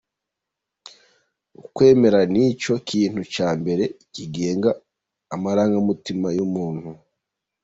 Ukwemera ni cyo kintu cya mbere kigenga amarangamutima ya muntu.